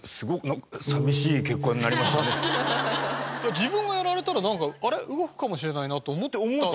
自分がやられたらなんか動くかもしれないなって思った。